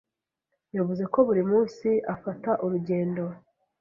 Yavuze ko buri munsi afata urugendo.